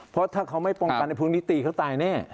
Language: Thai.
เพราะถ้าเขาไม่ป้องกันในพรุ่งนี้ตีเขาตายแน่